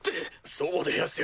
そうでやすよ！